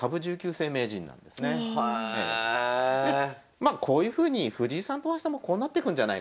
まあこういうふうに藤井さんと大橋さんもこうなってくんじゃないかと。